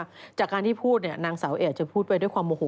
จากการที่พูดเนี่ยนางสาวเอกจะพูดไปด้วยความโมโห